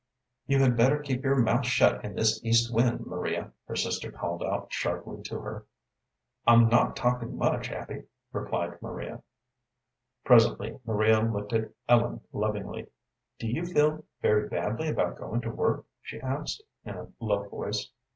"You had better keep your mouth shut in this east wind, Maria," her sister called out sharply to her. "I'm not talking much, Abby," replied Maria. Presently Maria looked at Ellen lovingly. "Do you feel very badly about going to work?" she asked, in a low voice.